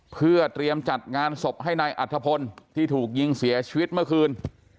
เพื่อเตรียมจัดงานศพให้นายอัธพลที่ถูกยิงเสียชีวิตเมื่อคืน